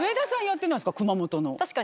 熊本の。